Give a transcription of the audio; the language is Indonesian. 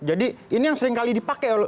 jadi ini yang seringkali dipakai